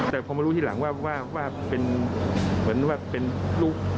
แต่พอมารู้ที่หลังว่าเป็นลูก